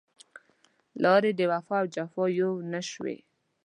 لارې د وفا او جفا يو نه شوې